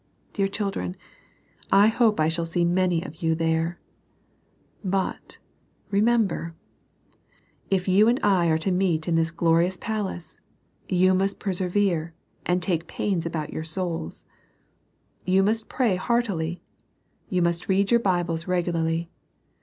Dear children, I hope I shall see many of you there. 6o SERMONS FOR CHILDREN. But, remember, if you and I are to meet in this glorious palace, you must persevere, and take pains about your souls. You must pray heartily. You must read your Bibles regularly.